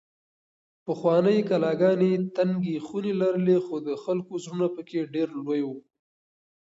پخوانۍ کلاګانې تنګې خونې لرلې خو د خلکو زړونه پکې ډېر لوی وو.